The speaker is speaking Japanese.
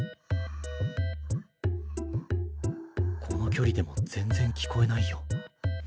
この距離でも全然聞こえないよ。